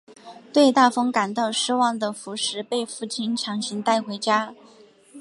对大风感到失望的福实被父亲强行带回家。